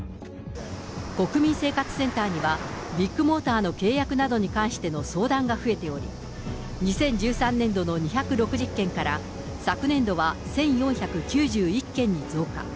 国民生活センターには、ビッグモーターの契約などに関しての相談が増えており、２０１３年度の２６０件から、昨年度は１４９１件に増加。